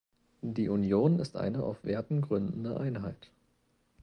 Die Union ist eine auf Werten gründende Einheit.